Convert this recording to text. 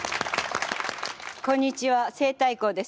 こんにちは西太后です。